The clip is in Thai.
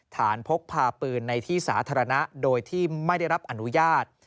พกพาปืนในที่สาธารณะโดยที่ไม่ได้รับอนุญาต